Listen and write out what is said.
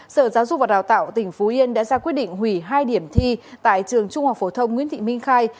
sở giáo dục và đào tạo tỉnh phú yên đã ra quyết định hủy hai điểm thi tại trường trung học phổ thông nguyễn thị minh khai